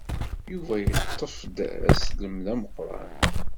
Yuba yeṭṭef-d aslem d ameqqran.